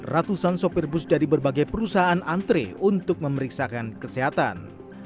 ratusan sopir bus dari berbagai perusahaan antre untuk memeriksakan kesehatan